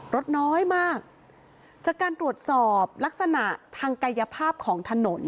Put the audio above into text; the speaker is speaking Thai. รถน้อยมากจากการตรวจสอบลักษณะทางกายภาพของถนน